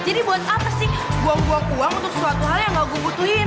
jadi buat apa sih buang buang uang untuk sesuatu hal yang nggak gue butuhin